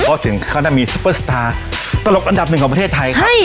เพราะถึงขั้นมีซุปเปอร์สตาร์ตลกอันดับหนึ่งของประเทศไทยครับ